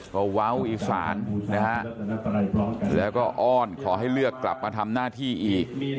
ก็เว้าอีสานนะฮะแล้วก็อ้อนขอให้เลือกกลับมาทำหน้าที่อีก